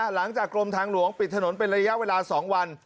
หลังจากกรมทางหลวงปิดถนนเป็นระยะเวลา๒วัน